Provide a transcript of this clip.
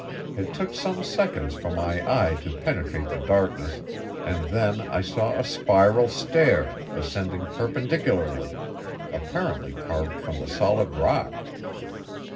It took some seconds for my eye to penetrate the darkness, and then I saw a spiral stair ascending perpendicularly, apparently carved from the solid rock.